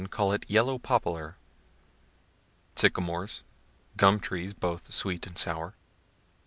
call it yellow poplar.) Linden. Sycamores. Aspen. Gum trees, both sweet and sour.